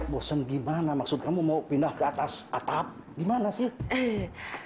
bosen gimana maksud kamu mau pindah keatas atap gimana sih